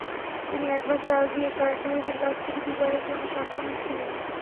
তিনি একবার চাল দিয়ে কার্ডধারীদের কাছ থেকে দুবারের জন্য স্বাক্ষর নিচ্ছিলেন।